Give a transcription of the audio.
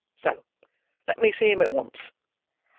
So let me see him at once."